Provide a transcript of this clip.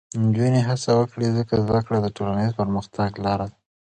نجونې هڅه وکړي، ځکه زده کړه د ټولنیز پرمختګ لاره ده.